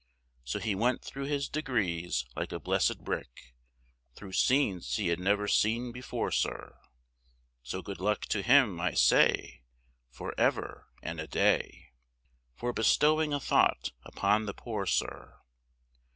So he went through his degrees, like a blessed brick, Thro' scenes he had never seen before, sir, So good luck to him, I say, for ever and a day, For bestowing a thought upon the poor, sir.